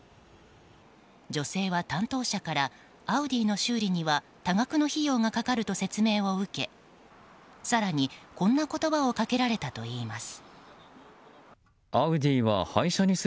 女性は担当者からアウディの修理には多額の費用がかかると説明を受け更に、こんな言葉をかけられたといいます。